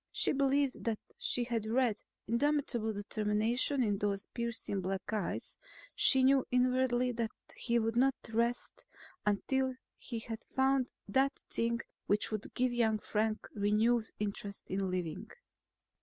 She believed that she had read indomitable determination in those piercing black eyes; she knew inwardly that he would not rest until he had found that thing which would give young Frank renewed interest in living.